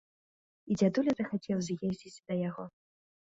І дзядуля захацеў з'ездзіць да яго.